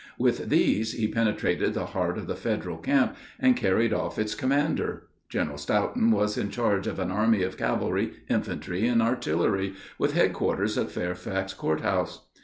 With these he penetrated the heart of the Federal camp, and carried off its commander. General Stoughton was in charge of an army of cavalry, infantry, and artillery, with headquarters at Fairfax Court house.